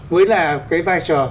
mới là cái vai trò